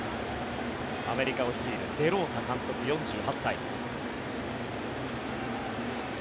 アメリカを率いるデローサ監督４８歳。